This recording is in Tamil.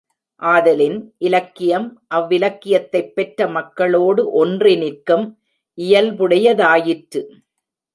ஆதலின், இலக்கியம், அவ்விலக்கியத்தைப் பெற்ற மக்களோடு ஒன்றி நிற்கும் இயல்புடையதாயிற்று.